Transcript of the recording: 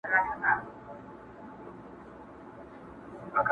په دعا لاسونه پورته کړه اسمان ته٫